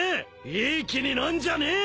いい気になんじゃねえ！